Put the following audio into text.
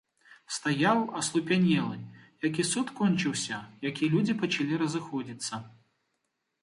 Стаяў, аслупянелы, як і суд кончыўся, як і людзі пачалі разыходзіцца.